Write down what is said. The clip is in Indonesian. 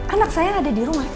anak saya ada di rumah